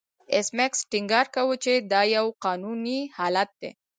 ایس میکس ټینګار کاوه چې دا یو قانوني حالت دی